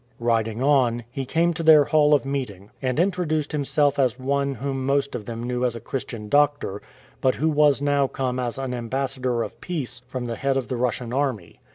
Riding on, he came to their hall of meeting, and introduced himself as one whom most of them knew as a Christian doctor, but who was now come as an ambassador of peace from the head of the Russian army.